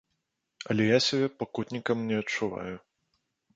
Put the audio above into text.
Але я сябе пакутнікам не адчуваю.